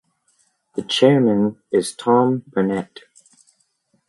The Chairman is Tom Burnet.